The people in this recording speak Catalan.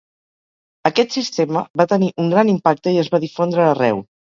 Aquest sistema va tenir un gran impacte i es va difondre arreu.